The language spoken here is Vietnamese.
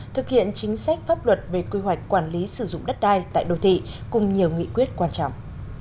thực hiện chính sách pháp luật về quy hoạch quản lý sử dụng đất đai tại đô thị cùng nhiều nghị quyết quan trọng